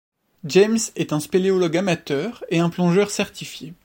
James est un spéléologue amateur et un plongeur certifié.